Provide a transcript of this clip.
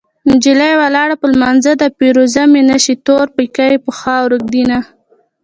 نجلۍ ولاړه په لمانځه ده پېرزو مې نشي تور پيکی په خاورو ږدينه